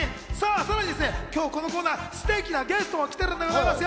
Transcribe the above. さらに今日はこのコーナーはステキなゲストが来てるんでございますよ。